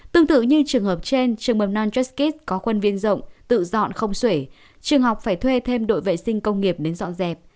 tương tự như trường hợp trên trường mầm non just kit có khuôn viên rộng tự dọn không sể trường học phải thuê thêm đội vệ sinh công nghiệp đến dọn dẹp